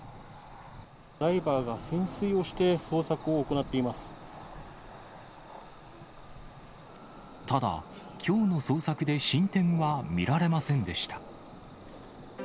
ダイバーが潜水をして、ただ、きょうの捜索で進展は見られませんでした。